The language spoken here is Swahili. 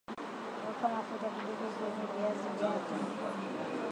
weka mafuta kidogo kwenye viazi vyako